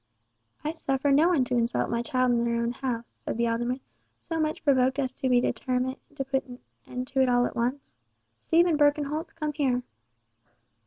"I suffer no one to insult my child in her own house," said the alderman, so much provoked as to be determined to put an end to it all at once. "Stephen Birkenholt, come here."